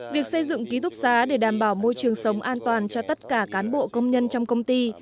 việc xây dựng ký túc xá để đảm bảo môi trường sống an toàn cho tất cả cán bộ công nhân trong công ty